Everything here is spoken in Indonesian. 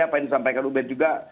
apa yang disampaikan ubed juga saya ini